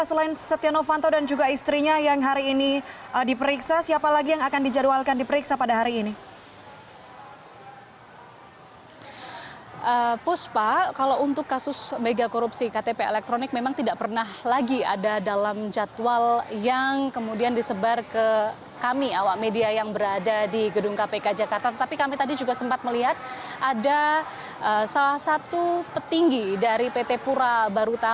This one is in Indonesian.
selain itu ada yang ingin mengatakan apa yang dikira oleh setia novanto